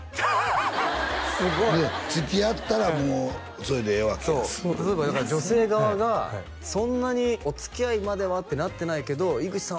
すごいいやつきあったらもうそれでええわけやそう例えばだから女性側がそんなにおつきあいまではってなってないけど井口さん